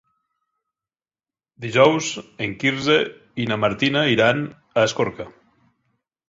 Dijous en Quirze i na Martina iran a Escorca.